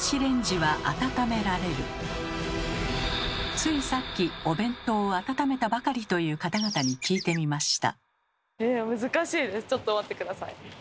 ついさっきお弁当を温めたばかりという方々に聞いてみました。